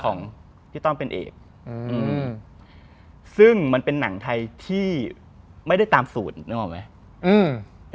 ของพี่ต้อมเป็นเอกอืมซึ่งมันเป็นหนังไทยที่ไม่ได้ตามสูตรนึกออกไหม